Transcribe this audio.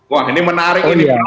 wah ini menarik